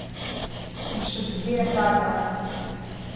Мшыбзиа, Тата!